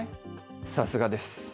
さすがです。